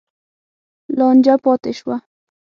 لانجه پاتې شوه.